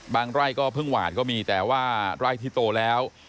ไร่ก็เพิ่งหวานก็มีแต่ว่าไร่ที่โตแล้ว